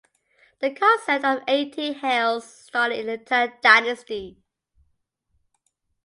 The concept of the eighteen hells started in the Tang dynasty.